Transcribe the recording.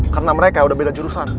karena mereka udah beda jurusan